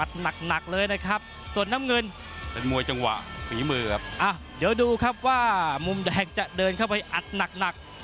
เดี๋ยวดูครับว่ามุมแดงจะเดินเข้าไปอัดหนัก